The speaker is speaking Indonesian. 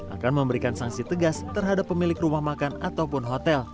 akan memberikan sanksi tegas terhadap pemilik rumah makan ataupun hotel